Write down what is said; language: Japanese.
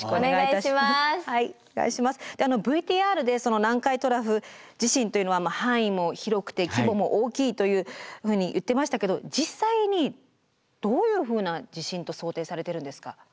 ＶＴＲで南海トラフ地震というのは範囲も広くて規模も大きいというふうに言ってましたけど実際にどういうふうな地震と想定されてるんですか？